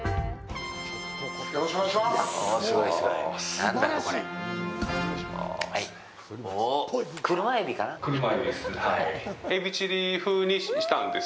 よろしくお願いします。